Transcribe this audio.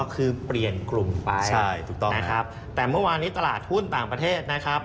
คือเปลี่ยนกลุ่มไปใช่ถูกต้องนะครับแต่เมื่อวานนี้ตลาดหุ้นต่างประเทศนะครับ